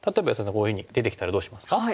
こういうふうに出てきたらどうしますか？